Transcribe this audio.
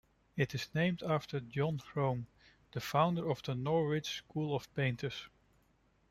It is named after John Crome, the founder of the Norwich school of painters.